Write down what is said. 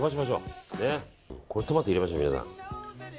トマト入れましょう、皆さん。